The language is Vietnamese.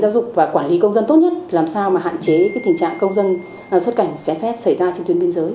giáo dục và quản lý công dân tốt nhất làm sao mà hạn chế tình trạng công dân xuất cảnh trái phép xảy ra trên tuyến biên giới